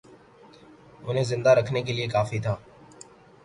انہیں زندہ رکھنے کے لیے کافی تھا